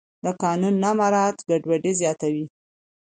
د قانون نه مراعت ګډوډي زیاتوي